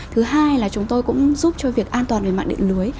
thứ hai là chúng tôi cũng giúp cho việc an toàn về mạng điện lưới